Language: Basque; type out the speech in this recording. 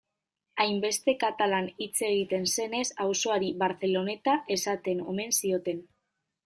Hainbeste katalan hitz egiten zenez, auzoari Barceloneta esaten omen zioten.